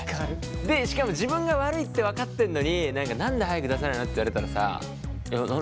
しかも自分が悪いって分かってんのに何で早く出さないの？って言われたらさえっ何？